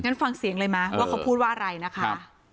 งั้นฟังเสียงเลยไหมว่าเขาพูดว่าอะไรนะคะ